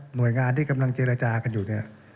หน่วยงานที่กำลังเจรจากันอยู่เนี่ย